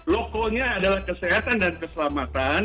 lokonya adalah kesehatan dan keselamatan